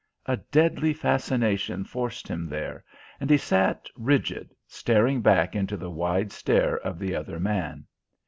A deadly fascination forced him there, and he sat rigid, staring back into the wide stare of the other man.